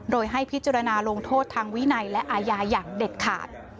โดยให้พิจารณาลงโทษทางวินัยและอาญาอย่างเด็ดขาด